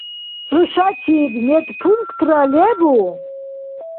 Хӏушачиб медпунктра лебу?